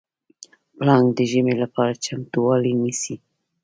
پړانګ د ژمي لپاره چمتووالی نیسي.